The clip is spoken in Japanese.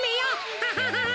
ハハハハ！